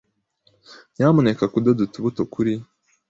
Nyamuneka kudoda utubuto kuri.